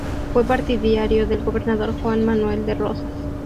Fue partidario del gobernador Juan Manuel de Rosas.